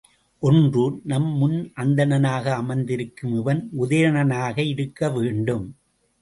ஒன்று, நம்முன் அந்தணனாக அமர்ந்திருக்கும் இவன் உதயணனாக இருக்கவேண்டும்!